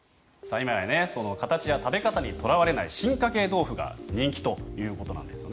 今や形や食べ方にとらわれない進化系豆腐が人気ということなんですね。